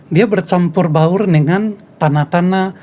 dia bercampur baur dengan tanah tanah